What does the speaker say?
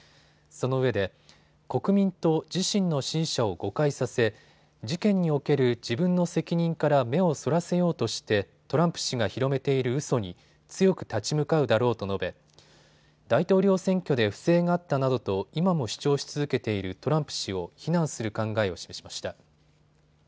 そのうえで国民と自身の支持者を誤解させて事件における自分の責任から目をそらせようとしてトランプ氏が広めているうそに強く立ち向かうだろうと述べ大統領選挙で不正があったなどと今も主張し続けているトランプ氏を非難する考えを示しました。